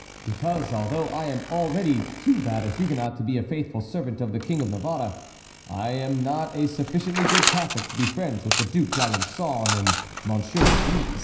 "Because, although I am already too bad a Huguenot to be a faithful servant of the King of Navarre, I am not a sufficiently good Catholic to be friends with the Duc d'Alençon and Monsieur de Guise."